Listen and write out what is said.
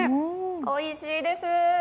おいしいです。